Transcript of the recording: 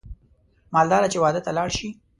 مالداره چې واده ته لاړ شي